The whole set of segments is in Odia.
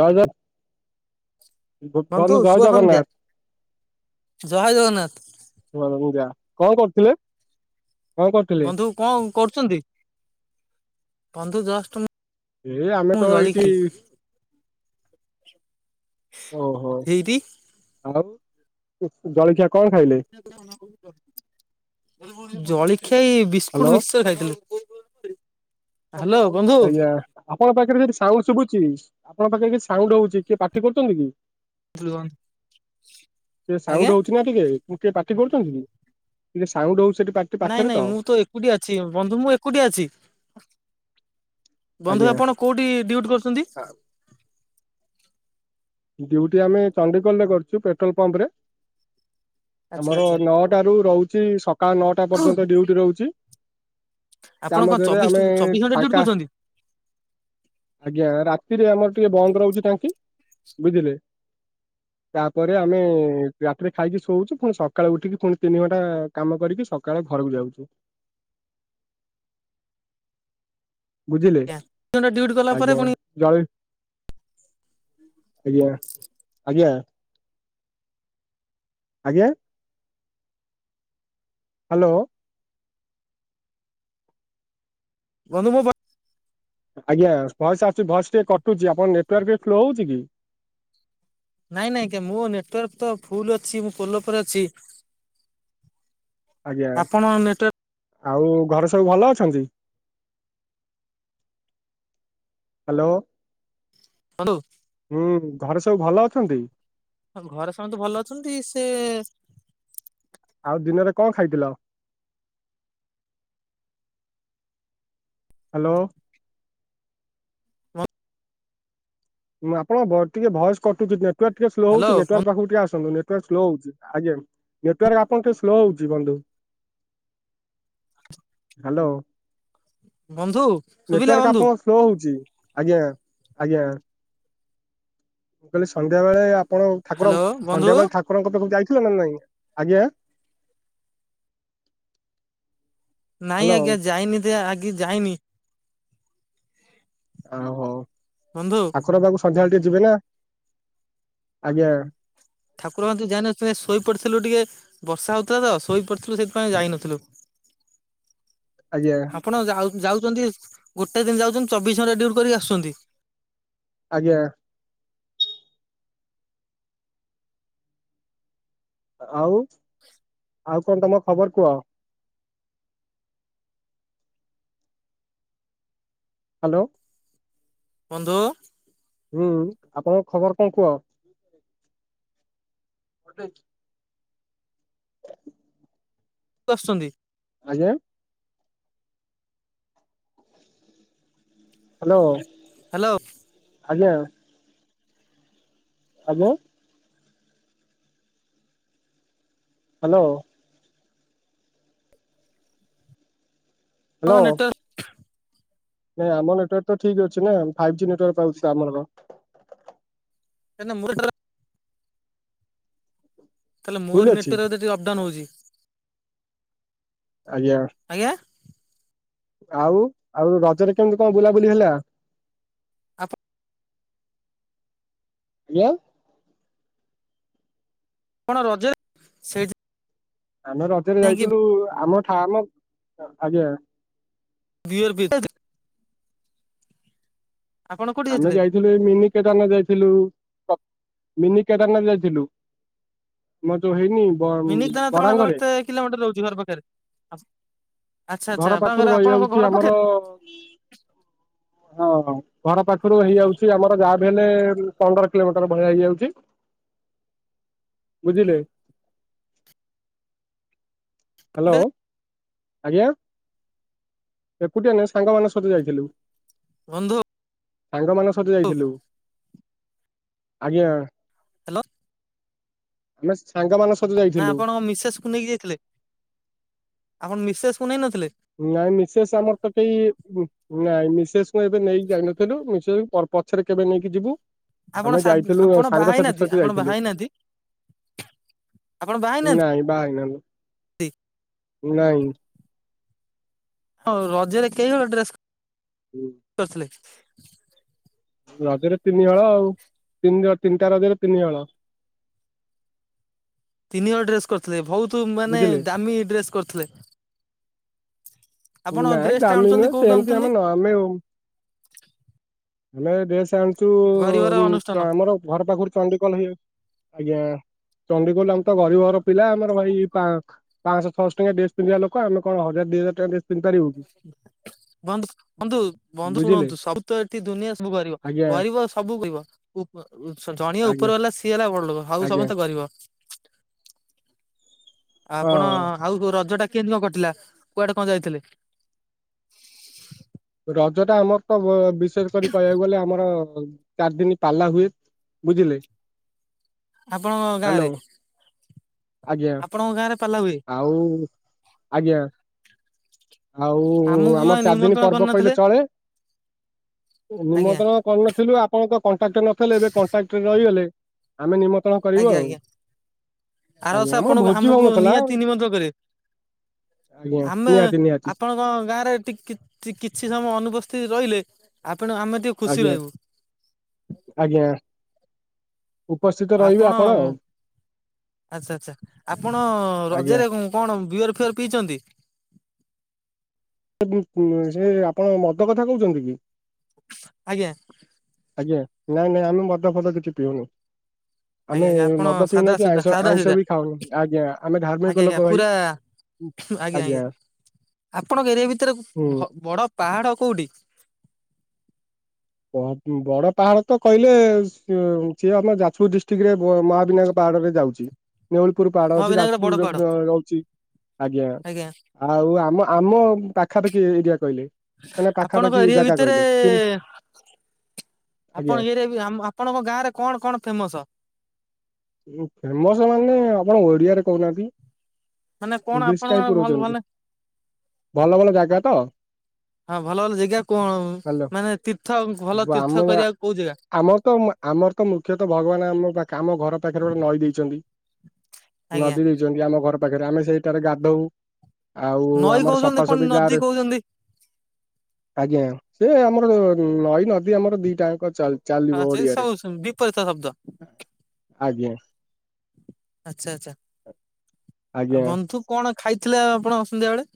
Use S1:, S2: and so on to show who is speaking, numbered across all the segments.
S1: ଜୟ ଜ ଗୁଡ଼୍
S2: ବନ୍ଧୁ
S1: ମନେ
S2: ଶୁଭ
S1: ଜୟ
S2: ସନ୍ଧ୍ୟା
S1: ଜଗନ୍ନାଥ।
S2: ଜୟ ଜଗନ୍ନାଥ
S1: ତୁ ଘରକୁ ଯା, କଣ କରୁଥିଲେ? କଣ କରୁଥିଲେ?
S2: ବନ୍ଧୁ କଁ କରୁଛନ୍ତି? ବନ୍ଧୁ ଜଷ୍ଟ୍ ମୁଁ
S1: ଏ ଆମେ ତ
S2: ଜଳି
S1: ଏଇଠି
S2: ଖାଇ
S1: ଓହୋ
S2: ଏଇଠି
S1: ଆଉ ଜଳିଖିଆ କଣ ଖାଇଲେ?
S2: ଜଳିଖିଆ ଏଇ ବିସ୍କୁଟ
S1: ହ୍ୟାଲୋ
S2: ମିିକ୍ଶ୍ଚର ଖାଇଥିଲେ? ହାଲୋ।
S1: ଆଜ୍ଞା ଆପଣଙ୍କ ପାଖରେ କିଛି ସାଉଣ୍ଡ ଶୁଭୁଛି? ଆପଣ ପାଖରେ କିଛି ସାଉଣ୍ଡ ହଉଛି। କିଏ ପାଟି କରୁଛନ୍ତି କି? ଏ
S2: ଆଜ୍ଞା
S1: ସାଉଡ଼୍ ହଉଛି ନା? କି କେ ଉଁ କେ ପାଟି କରୁଛନ୍ତି କି? ଟିକେ ସାଉଣ୍ଡ ହଉଛ୍ ସେଠି ପା
S2: ନାଇଁ ନାଇଁ ମୁଁ ତ ଏକୁଟିଆ ଅଛି। ବନ୍ଧୁ ମୁଁ ଏକୁଟିଆ ଅଛି। ବନ୍ଧୁ
S1: ଆଜ୍ଞା।
S2: ଆପଣ କୋଉଠଟି ଡ୍ୟୁଟି କରୁଛନ୍ତି?
S1: ଡିୟୁଟି ଆମେ ଚଣ୍ଡିଖୋଲରେ କରିଛୁ ପେଟ୍ରୋଲ ପମ୍ପ ରେ।
S2: ଆଚ୍ଛା
S1: ଆମର
S2: ଆଚ୍ଛା
S1: ନଅଟା ରୁ ରହୁଛି ସକାଳ ନଅଟା ପର୍ଯ୍ୟନ୍ତ ଡ୍ୟୁଟି ରହୁଛି। ତା
S2: ଆପଣ କଣ
S1: ମଧ୍ୟରେ
S2: ଚବିଶ
S1: ଆମେ
S2: ଚବିଶ ଘଣ୍ଟା ଡ୍ୟୁଟି
S1: ଫାଙ୍କା
S2: କରୁଛନ୍ତି?
S1: ଆଜ୍ଞା ରାତିରେ ଆମର ଟିକେ ବନ୍ଦ ରହୁଛି ଟାଙ୍କି। ବୁଝିଲେ।
S2: [inaudible]
S1: ତାପରେ ଆମେ ରାତିରେ ଖାଇକି ଶୋଉଛୁ ପୁଣି ସକାଳୁ ଉଠିକି ପୁଣି ତିନି ଘଣ୍ଟା କାମ କରିକି ସକାଳେ ଘରକୁ ଯାଉଛୁ। ବୁଝିଲେ
S2: ଚବିଶ ଘଣ୍ଟା ଡ୍ୟୁଟି କଲା ପରେ
S1: ଆଜ୍ଞା
S2: ପୁଣି
S1: ଜୟ୍ ଆଜ୍ଞା ଆଜ୍ଞା। ଆଜ୍ଞା। ହାଲୋ
S2: ବନ୍ଧୁ ମୁଁ
S1: ଆଜ୍ଞା ଭଏସ ଆସୁଛି ଭଏସ ଟିକେ କଟୁଛି ଆପଣ ନେଟୱାର୍କ ଟିକେ ଶ୍ଳୋ ହଉଛି କି?
S2: ନାଇଁ ନାଇଁଜ୍ଞା ମୋ ନେଟୱାର୍କ ତ ଫୁଲ ଅଛି, ମୁଁ ପୋଲ ଉପରେ ଅଛି।
S1: ଆଜ୍ଞା
S2: ଆପଣ ନେଟୱାର୍କ
S1: ଆଉ ଘରେ ସବୁ ଭଲ ଅଛନ୍ତି? ହାଲୋ।
S2: ଅଣ୍ଡୁ
S1: ହୁଁ ଘରେ ସବୁ ଭଲ ଅଛନ୍ତି?
S2: ହଁ ଘରେ ସମସ୍ତେ ଭଲ ଅଛନ୍ତି ସେ
S1: ଆଉ ଦିନରେ କଁ ଖାଇଥିଲ? ହାଲୋ।
S2: [inaudible]
S1: ମୁଁ ଆପଣ ଟିକେ ଭଏସ କଟୁଛି ନେଟୱାର୍କ ଟିକେ ସ୍ଲୋ ହଉଛି
S2: ହ୍ୟାଲୋ।
S1: ନେଟୱାର୍କ ପାଖକୁ ଟିକେ ଆସନ୍ତ? ନେଟୱର୍କ ସ୍ଲୋ ହଉଛି ଆଜ୍ଞା ନେଟୱର୍କ ଆପଣ ଟିକେ ସ୍ଲୋ ହଉଛି ବନ୍ଧୁ? ହାଲୋ
S2: ବନ୍ଧୁ ଶୁଭିଲା
S1: ନେଟୱାର୍କ
S2: ବନ୍ଧୁ
S1: ଆପଣ ସ୍ଲୋ ହଉଛି ଆଜ୍ଞା ଆଞା ମୁ କହିଲି ସନ୍ଧ୍ୟାବେଳେ? ଆପଣ ଠାକୁର
S2: ହ୍ୟାଲୋ ବନ୍ଧୁ
S1: ସନ୍ଧ୍ୟା ବେଳେ ଠାକୁରଙ୍କ ପାଖକୁ ଯାଇଥିଲ ନା ନାଇଁ ଆଜ୍ଞା?
S2: ନାଇଁ
S1: ହ୍ୟାଲୋ
S2: ଆଜ୍ଞା ଯାଇନି ଜା ଆଜ୍ ଯାଇନି।
S1: ଆଉ ହଉ
S2: ବନ୍ଧୁ
S1: ଠାକୁର ପାଖକୁ ସନ୍ଧ୍ୟାବେଳେ ଟିକେ ଯିବେ ନା ଆଜ୍ଞା।
S2: ଠାକୁରଙ୍କୁୁ କି ଯାଇିନଥିବେ ଶୋଇପଡ଼ିଥିଲୁ ଟିକେ ବର୍ଷା ହେଉଥିଲା ତ ଶୋଇପଡ଼ିଥିଲୁ ସେଇଥିପାଇଁ ଯାଇନଥିଲୁ।
S1: ଆଜ୍ଞା
S2: [inaudible] ଆପଣ ଯାଉଛନ୍ତି ଗୋଟେ ଦିନ ଯାଉଛନ୍ତି ଚବିଶ ଘଣ୍ଟା ଡ଼ିଉଟି କରିକି ଆସୁଛନ୍ତି?
S1: ଆଜ୍ଞା। ଆଉ ଆଉ କଣ ତମ ଖବର କୁହ? ହାଲୋ
S2: ବନ୍ଧୁ
S1: ହୁଁ ଆପଣଙ୍କ ଖବର କଣ କୁହ?
S2: ଆସୁଛନ୍ତି
S1: ଆଜ୍ଞା ହାଲୋ
S2: ହାଲୋ
S1: ଆଜ୍ଞା ଆଜ୍ଞା ହାଲୋ
S2: ହଁ
S1: ହ୍ୟାଲୋ
S2: ନେଟୱର୍କ
S1: ନାଇଁ ଆମ ନେଟୱାର୍କ ତ ଠିକ ଅଛି ନା ଫାଇଭ୍ ଜି ନେଟୱାର୍କ ପାଉଛି ତ ଆମର?
S2: କାଇଁ ନା ମୋ ଟାରେ? ତାହେଲେ
S1: ଭୁଲ
S2: ମୋର
S1: ଅଛି
S2: ନେଟୱର୍କ ଟିକେ ଅପ୍ଡାଉନ ହଉଚି?
S1: ଆଜ୍ଞା।
S2: ଆଜ୍ଞା?
S1: ଆଉ ଆଉ ରଜରେ କେମିତି କଣ ବୁଲାବୁଲି ହେଲା?
S2: ଆପଣ
S1: ଆଜ୍ଞା?
S2: କଣ ରଜେ ସେଇଟି
S1: ଆମେ ରଜରେ ଯାଇଥିଲୁ ଆମ ଠା ଆମ ଆଜ୍ଞା
S2: ବିଅର ପି ଆପଣ କୋଉଠି
S1: ଆମେ
S2: ଯାଇଥିଲେ?
S1: ଯାଇଥିଲୁ ଏ ମିନି କେଦାରନାଥ ଯାଇଥିଲୁ ମିନି କେଦାରନାଥ ଯାଇଥିଲୁ। ଆମର ଯଉ ହେଇନି। ବ
S2: ମିନି କେଦାରନାଥ ତ ଆଣଙ୍କର
S1: ବରାଙ୍ଗରେ
S2: ଏତେ କିଲୋମିଟର ରହୁଛି ଘର ପାଖରେ? ଆଚ୍ଛା ଆଚ୍ଛା
S1: ଘର
S2: ଆପଣଙ୍କର
S1: ପାଖରୁ
S2: ଆପଣଙ୍କ
S1: ରହିଯାଉଛି
S2: ଘର
S1: ଆମର
S2: ପାଖରେ
S1: ହଁ ହଁ ଘର ପାଖରୁ ହେଇଯାଉଛି ଆମର ଯାହା ବି ହେଲେ ପନ୍ଦର କିଲୋମିଟର ଭଳିଆ ହେଇଯାଉଛି। ବୁଝିଲେ?
S2: [inaudible]
S1: ହାଲୋ ଆଜ୍ଞା ଏକୁଟିଆ ନୁହେଁ ସାଙ୍ଗ ମାନଙ୍କ ସହିତ ଯାଇଥିଲୁ।
S2: ବନ୍ଧୁ
S1: ସାଙ୍ଗ ମାନଙ୍କ ସହିତ ଯାଇଥିଲୁ ଆଜ୍ଞା।
S2: ହାଲୋ
S1: ଆମେ ସାଙ୍ଗମାନେ ସହିତ ଯାଇଚୁ?
S2: ନା ଆପଣଙ୍କ ମିସେସ୍କୁ ନେଇକି ଯାଇଥିଲେ ଆପଣ ମିସେସ୍କୁ କୁ ନେଇ ନଥିଲେ?
S1: ନାଇଁ ମିସେସ୍ ଆମର ତ କେଇ ନାଇଁ ମିସେ୍ସ ଏବେ ନେଇକି ଯାଇନଥିଲୁ ମିସେ୍ସ ପଛରେ କେବେ ନେଇକି ଯିବ।
S2: ଆପଣ
S1: ଆମେ
S2: ସା
S1: ଯାଇଥିଲୁ
S2: ଆପଣ ବାହା
S1: ସାଙ୍ଗସାଥି
S2: ହେଇନାହାନ୍ତି
S1: ସହିତ
S2: ଆପଣ ବାହା
S1: ଯାଇଥିଲୁ।
S2: ହେଇନାହାନ୍ତି
S1: ନାଁଇ ବାହା ହେଇଗଲା।
S2: ଧିକ
S1: ଉଡାଇ
S2: ହଁଉ ରଜରେ କେହିହଳ ଡ୍ରେସ୍
S1: ହୁଁ।
S2: କରି ଥିଲେ।
S1: ରଜରେ ତିନି ହଳ ଆଉ ତିନି ତିନିଟା ରଜରେ ତିନି ହଳ।
S2: ତିନି ହଳ ଡ୍ରେସ କରିଥିଲେ ବହୁତ ମାନେ
S1: ବୁଝିଲେ
S2: ଦାମୀ ଡ୍ରେସ କରିଥିଲେ। ଆପଣ
S1: ନାଇଁ
S2: ଡ୍ରେସ୍ ଟା
S1: ଦାମୀ
S2: ଆଣୁଛନ୍ତି
S1: ନୁହେଁ
S2: କୋଉଠୁ
S1: ସେମିତି
S2: ଆଣୁଛନ୍ତି
S1: ଆମେ ନ ଆମେ ଆଉ। ଆମେ ଡ୍ରେସ ଆଣୁଛୁ
S2: ଗରିବର
S1: ଉଁ
S2: ଅନୁଷ୍ଠାନ
S1: ଆମର ଘର ପାଖରୁ ଚଣ୍ଡିଖୋଲ ହେଇ ଯାଉଛି ଆଜ୍ଞା। ଚଣ୍ଡିଖୋଲ ଆମେତ ଗରିବଘର ପିଲା ଆମର ଭାଇ ପା ପାଞ୍ଚଶ ଛଅଶ ଟଙ୍କିଆ ଡ୍ରେସ ପିନ୍ଧିବାଲୋକ ଆମେ କଣ ହଜାର ଦି ହଜାର ଟଙ୍କିଆ ଡ଼୍ରେସ ପିନ୍ଧିପାରିବୁ।
S2: ବନ୍ଦ ବନ୍ଧୁ ବନ୍ଦୁ
S1: ବୁଝିଲେ
S2: ସୁଣନ୍ତୁ ସବୁ। ତ ଏଠିଁ ଦୁନିଆ ସବୁ ଗରିବ
S1: ଆଜ୍ଞା
S2: ଗରିବ ସବୁ ଗରିବ ଉ‌ ପ ଉଁ ଜ ଜଣିୟେ
S1: ଆଜ୍ଞା
S2: ଉପରବାଲା ସିଏ ହେଲା ବଡ ଲୋକ। ଆଉ
S1: ଆଜ୍ଞା
S2: ସମତେ ଗରିବ। ଆପଣ
S1: ହଁ
S2: ଆଉ ରଜଟା କେମିତି କଁ କଟିିଲା କୁଆଡେ କଁ ଯାଇଥିଲେ।
S1: ରଜଟା ଆମର ତ ବ ବିଶେଷ କରି କହିବାକୁ ଗଲେ ଆମର। ଚାରିଦିନି ପାଲା ହୁଏ ବୁଝିଲେ।
S2: ଆପଣଙ୍କ ଗାଁ
S1: ହ୍ୟାଲୋ
S2: ରେ।
S1: ଆଜ୍ଞା।
S2: ଆପଣଙ୍କ ଗାଁ ରେ ପାଲା ହୁଏ।
S1: ଆଉ ଆଜ୍ଞା। ଆଉ
S2: ଆମକୁ ତ କାଇଁ
S1: ଆମର ଚାରିଦିନ
S2: ନିମନ୍ତ୍ରଣ
S1: ପର୍ବ କହିଲେ
S2: କରିନଥିଲେ
S1: ଚଳେ।
S2: ଆଜ୍ଞା
S1: ନିମନ୍ତ୍ରଣ କରିନଥିଲୁ ଆପଣଙ୍କ ତ କଣ୍ଟାକ୍ଟ ରେ ନଥିଲେ ଏବେ କଣ୍ଟ କଣ୍ଟାକ୍ଟ ରେ ରହିଗଲେ ଆମେ ନିମନ୍ତ୍ର ନ୍ତ୍ରଣ କରିବୁ
S2: ଆଜ୍ଞା
S1: ଆଉ‌
S2: ଆଜ୍ଞା ଆରବର୍ଷ
S1: ଆଜ୍ଞା ଆମର
S2: ଆପଣଙ୍କୁ
S1: ଭୋଜି
S2: ଆମକୁ
S1: ହଉ ନଥିଲା।
S2: ନିହାତି ନିମନ୍ତ୍ରଣ କରିବେ
S1: ଆଜ୍ଞା
S2: ଆମେ
S1: ନିହାତି ନିହାତି।
S2: ଆପଣଙ୍କ ଗାଁରେ ଟିକ୍କି କି ଟୀ କିଛି ସମୟ ଅନୁପସ୍ଥିତି ରହିଲେ ଆପଣ ଆମେ ଟିକେ। ଖୁସି
S1: ଆଜ୍ଞା
S2: ରହିବୁ
S1: ଆଜ୍ଞା। ଉପସ୍ଥିତ ରହିବେ
S2: ଆପଣ ଉଁ
S1: ଆଉ
S2: ଆଚ୍ଛା ଆଚ୍ଛା ଆପଣ
S1: ଆଜ୍ଞା
S2: ରଜରେ ଉଁ। କଣ ବିୟର ଫିୟର୍ ପିଇଛନ୍ତି।
S1: ଗୁ ଉଁ ସେ ଆପଣ ମଦ କଥା କହୁଛନ୍ତି କି।
S2: ଆଜ୍ଞା।
S1: ଆଜ୍ଞା ନାଁଏ ନାଇଁ ଆମେ ମଦ ଫଦ କିଛି ପିଉନୁ।
S2: ଆଜ୍ଞା
S1: ଆମେ
S2: ଆଜ୍ଞା ଆପଣ
S1: ମଦ ପିଉ ନା
S2: ସାଧା
S1: କି
S2: ସିଧା
S1: ଆଇଁଷ
S2: ସାଧା
S1: ଆଇଁଷ
S2: ସିଧା
S1: ବି ଖାଉନା ଆଜ୍ଞା ଆମେ
S2: ଆଜ୍ଞା
S1: ଧାର୍ମିକ
S2: ଆଜ୍ଞା
S1: ଲୋକ ଭାଇ।
S2: ପୁରା
S1: ଆଜ୍ଞା।
S2: ଆପଣଙ୍କର ଏରିଆ ଭିତରେ
S1: ହୁଁ
S2: ଭ ବଡ ପାହାଡ କୋଉଠି।
S1: ବ ବଡ ପାହାଡ ତ କହିଲେ ସେ ସିଏ ଆମ ଯାଜପୁର ଡିଷ୍ଟକିରେ ବ ମହାବିନାୟ ପାହାଡରେ ଯାଉଛି। ନେଉଳି ପୁର ପାହାଡ ଅଛି
S2: ମହାବିନାୟକର ବଡ
S1: ଯାଜପୁର
S2: ପାହାଡ
S1: ରେ ଆ ରହୁଛି ଆଜ୍ଞା ଆଉ ଆମ ଆମ ପାଖାପାଖି ଏରିଆ କହିଲେ ମାନେ
S2: ଆପଣଙ୍କ
S1: ପାଖାପାଖି
S2: ଏରିଆ
S1: ଜାଗା
S2: ଭିତରେ
S1: କହିଲେ କିନ୍ତୁ।
S2: ଆପଣଙ୍କ ଏରିଆ ବି ହାମ୍ ଆପଣଙ୍କ ଗାଁ ରେ କଣ କଣ ଫେମସ।
S1: ଉଁ ଫେମସ ମାନେ ଆପଣ ଓଡିଆରେ କହୁନାହାନ୍ତି।
S2: ମାନେ କଣ
S1: ଇଂଗିଲିଶ
S2: ଆପଣଙ୍କ
S1: କାଇଁ
S2: ଭଲ ଭଲ
S1: ପୁରୋଉଛନ୍ତି ଭଲ ଭଲ ଜାଗା ତ।
S2: ହଁ ଭଲ ଭଲ ଜେଗା କଣ
S1: ହ୍ୟାଲୋ
S2: ମାନେ ତୀର୍ଥ ଭଲ
S1: ବ- ଆମ
S2: ତୀର୍ଥ କରିବାକୁ କୋଉ ଜେଗା।
S1: ଆମର ତ ମା୍ ଆମର ତ ମୁଖ୍ୟତ ଭଗବାନ ଆମ ଆମ ପାଖରେ ଆମ ଘର ପାଖରେ ଗୋଟେ ନଈ ଦେଇଛନ୍ତି।
S2: ଆଜ୍ଞା।
S1: ନଦୀ ଦେଇଛନ୍ତି ଆମ ଘର ପାଖରେ ଆମେ ସେଇଠାରେ ଗାଧଉ। ଆଉ
S2: ନଈ
S1: ଆମର
S2: କହୁଛନ୍ତି
S1: ସଫା
S2: ପୁଣି
S1: ସଫି ଗାଁ
S2: ନଦୀ
S1: ରେ।
S2: କହୁଛନ୍ତି
S1: ଆଜ୍ଞା ସେ ଆମର ନଈ ନଦୀ ଆମର ଦି ଟା ଆଙ୍କ ଚାଲ୍
S2: ହଁ ସେ ସବୁ ସ ଉଁ ବିପରୀତ ଶବ୍ଦ।
S1: ଆଜ୍ଞା।
S2: ଆଚ୍ଛା ଆଚ୍ଛା ଆଉ
S1: ଆଜ୍ଞା
S2: ବନ୍ଧୁ କଣ ଖାଇଥିଲେ ଆପଣ ଅସନ୍ଧ୍ୟା ବେଳେ।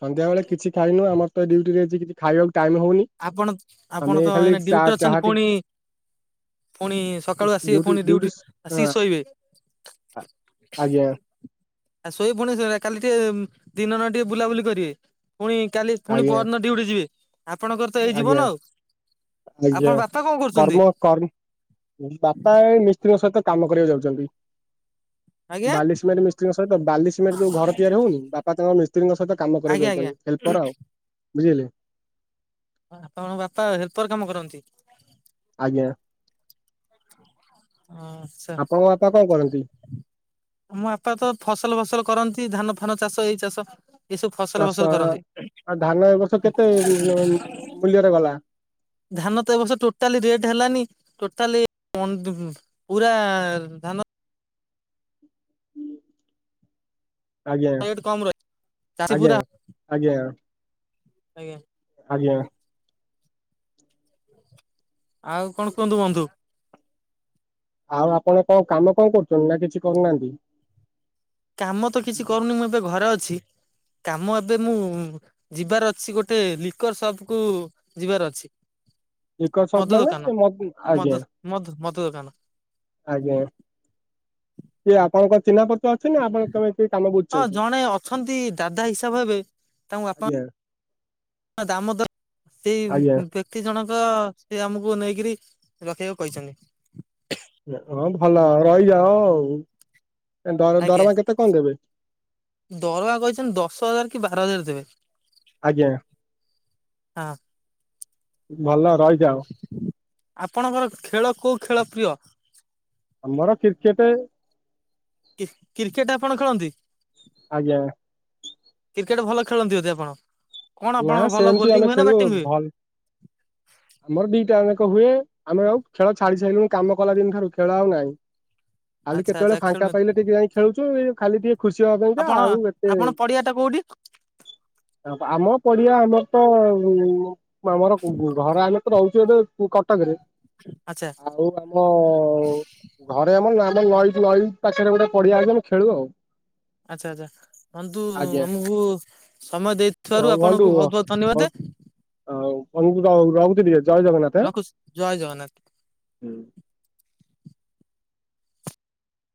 S1: ସନ୍ଧ୍ୟା ବେଳେ କିଛି ଖାଇନୋଉ ଆମର ତ ଡ୍ୟୁଟିରେ ଏଜି କିଛି ଖାଇଆକୁ ଟାଇମ୍ ହୋଉନି।
S2: ଆପଣ ଆପଣ ତ ଏଇନା ଡ୍ୟୁଟିରେ ଅଛନ୍ତି
S1: ଟି
S2: ଫୁଣି ପୁଣି ସକାଳୁ ଆସିବେ ପୁଣି ଡ୍ୟୁଟି ଆସିକି ଶୋଇବେ।
S1: ଆ ଆଜ୍ଞା।
S2: ଆଉ ଶୋଇବୁ ଫୁଣି ସେ କାଲି ଟିକେ ଦିନ ନା ଟିକେ ବୁଲାବୁଲି କରିବେ ଫୁଣି କାଲି, ପୁଣି
S1: ଆଜ୍ଞା
S2: ପଅର୍ ଦିନ ଡ୍ୟୁଟି ଯିବେ। ଆପଣଙ୍କର? ତ ଏଇ
S1: ଆଜ୍ଞା
S2: ଜୀବନ ଆଉ ଆପଣ
S1: ଆଜ୍ଞା
S2: ବାପା କଣ କରୁଛନ୍ତି?
S1: କର୍ମ କର୍ମ ବାପା ଏଇ ମିସ୍ତ୍ରୀଙ୍କ ସଇତ କାମ କରିଆକୁ ଯାଉଚନ୍ତି।
S2: ଆଜ୍ଞା
S1: ବାଲି, ସିମେଣ୍ଟ ମିସ୍ତ୍ରୀଙ୍କ ସଇତ ବାଲି, ସିମେଣ୍ଟ ଯୋଉ ଘର ତିଆରି ହୋଉନି ବା ବାପା ତାଙ୍କ ମିସ୍ତ୍ରୀଙ୍କ ସହିତ କାମ କରିବାକୁ
S2: ଆଜ୍ଞା ଆଜ୍ଞା
S1: ଯାଉଚନ୍ତି, ହେଲ୍ପର ଆଉ ବୁଝିଲେ।
S2: ଆପଣଙ୍କ ବାପା ହେଲ୍ପର କାମ କରନ୍ତି?
S1: ଆଜ୍ଞା।
S2: ଆଁ
S1: ଆପଣଙ୍କ ବାପା କଁ କରନ୍ତି?
S2: ଆମ ବାପା ତ ଫସଲ ଭସଲ କରନ୍ତି, ଧାନ ଫାନ ଚାଷ ଏଇ ଚାଷ। ଏସବୁ ଫସଲ
S1: ଚାଷ
S2: ଫସଲ
S1: ଏଁ
S2: କରନ୍ତି
S1: ଆଉ ଧାନ ଏ ବଷ କେତେ ଉ-ମ୍-ଉ ମୂଲ୍ୟରେ ଗଲ?
S2: ଧାନ ତ ଏ ବର୍ଷ ଟୋଟାଲି ରେଟ୍ ହେଲାନି, ଟୋଟାଲି ଅନ୍ ଦୁମ୍ ପୁରା-ଆ -ଧାନ
S1: ଆଜ୍ଞା,
S2: ରେଟ୍ କମ ରହି ଚାଷୀ
S1: ଆଜ୍ଞା,
S2: ପୁରା
S1: ଆଜ୍ଞା।
S2: ଆଜ୍ଞା
S1: ଆଜ୍ଞା
S2: ଆଉ କଣ କୁଅନ୍ତୁ ବନ୍ଧୁ?
S1: ଆଉ ଆପଣ କଁ କାମ କଁ କରୁଛନ୍ତି ନା କିଛି କରୁନାହାନ୍ତି?
S2: କାମ ତ କିଛି କରୁନି ମୁଁ ଏବେ ଘରେ ଅଛି। କାମ ଏବେ ମୁଁ ଯିବାର ଅଛି ଗୋଟେ ଲିକର୍ ସପ୍ କୁ ଯିବାର ଅଛି।
S1: ଲିକର୍ ସପ୍ ମାନେ ଏ ମଦ୍? ଆଜ୍ଞା।
S2: ମଧୁ ମଦ ଦୋକାନ।
S1: ଆଜ୍ଞା ସିଏ ଆପଣଙ୍କ ଚିହ୍ନା ପରି
S2: ହଁ ଜଣେ ଅଛନ୍ତି ଦାଦା ହିସାବ ହେବେ ତାଙ୍କୁ ଆପଣ
S1: ଆଜ୍ଞା
S2: ଦାମୋଦର ସେଇ
S1: ଆଜ୍ଞା
S2: କୁ ଙ୍କେ ବ୍ୟକ୍ତି ଜଣଙ୍କ ସେ ଆମୁକୁ ନେଇକିରି ରଖିଆକୁ କହିଛନ୍ତି।
S1: ଏଁ ହଁ ଭଲ ରହିଯାଅ ଆଉ, ଏଁ ଦର
S2: ଆଜ୍ଞା
S1: ଦରମା କେତେ କଁ ଦେବେ?
S2: ଦରମା କହିଛନ୍ତି ଦଶ ହଜାର୍ କି ବାର ହଜାର୍ ଦେବେ।
S1: ଆଜ୍ଞା
S2: ହଁ
S1: ଭଲ ରଇଯାଅ।
S2: ଆପଣଙ୍କର ଖେଳ କୋଉ ଖେଳ ପ୍ରିୟ?
S1: ଆମର କିର୍କେଟେ।
S2: କି କ୍ରିର୍କେଟେ ଆପଣ ଖେଳନ୍ତି?
S1: ଆଜ୍ଞା।
S2: କ୍ରିର୍କେଟେ ଭଲ ଖେଳନ୍ତି ବୋଧେ ଆପଣ? କଣ
S1: ନା
S2: ଆପଣଙ୍କ ଭଲ
S1: ସେମିତି ଆମେ
S2: ବୋଲିଂ ହୁଏ ନା
S1: ଖେଳୁ
S2: ବ୍ୟାଟିଂ ହୁଏ?
S1: ଭଲ
S2: [inaudible]
S1: ଆମର ଦିଟା ଯାଙ୍କ ହୁଏ, ଆମେ ଆଉ ଖେଳ ଛାଡ଼ି ସାଇଲୁଣୁ କାମ କଲା ଦିନ ଠାରୁ ଖେଳ ଆଉ ନାହିଁ। ଖାଲି
S2: ଆଚ୍ଛା
S1: କେତେବେଳେ
S2: ଆଚ୍ଛା
S1: ଫାଙ୍କା
S2: ଖେଳୁନାହାନ୍ତି
S1: ପାଇଲେ ଟିକେ ଯାଇ ଖେଳୁଛୁ, ଖାଲି ଟିକେ ଖୁସି ହବା ପାଇଁକା,
S2: ଆପଣ
S1: ଆଉ ଏତେ
S2: ଆପଣ ପଡିଆ ଟା କୋଉଠି
S1: ଆମ ପଡ଼ିଆ ଆମର ତ ଉମ୍ ଆମର ଘର ଆମ ରହୁଛି ଗୋଟେ କଟକରେ
S2: ଆଚ୍ଛା
S1: ଆଉ ଆମ ଘରେ ଆମର ଆମର ନଈ ନଈ ପାଖରେ ଗୋଟେ ପଡିଆ ଅଛି ଆମେ ଖେଳୁ ଆଉ।
S2: ଆଚ୍ଛା ଆଚ୍ଛା, ବନ୍ଧୁ
S1: ଆଜ୍ଞା
S2: ଆମକୁ ସମୟ ଦେଇଥିବାରୁ ଆପଣ
S1: [unintelligible] ଜଗନ୍ନାଥ।
S2: ରଖୁଛି ଜୟ ଜଗନ୍ନାଥ।
S1: ହୁଁ।